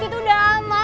itu udah aman